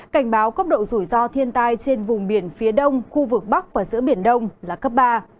cảnh báo cấp độ rủi ro thiên tai trên vùng biển phía đông khu vực bắc và giữa biển đông là cấp ba